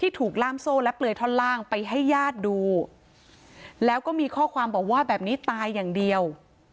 ถูกล่ามโซ่และเปลือยท่อนล่างไปให้ญาติดูแล้วก็มีข้อความบอกว่าแบบนี้ตายอย่างเดียว